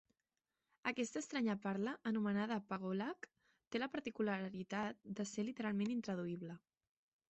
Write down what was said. Aquesta estranya parla, anomenada «pagolak», té la particularitat de ser literalment intraduïble.